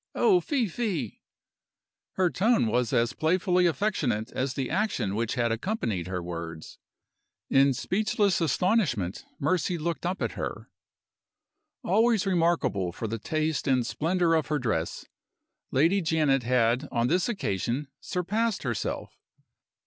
Oh, fie, fie!" Her tone was as playfully affectionate as the action which had accompanied her words. In speechless astonishment Mercy looked up at her. Always remarkable for the taste and splendor of her dress, Lady Janet had on this occasion surpassed herself.